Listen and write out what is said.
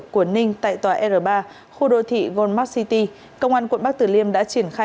của ninh tại tòa r ba khu đô thị goldmark city công an quận bắc tử liêm đã triển khai